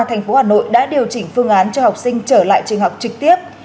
thành phố hà nội đã điều chỉnh phương án cho học sinh trở lại trường học trực tiếp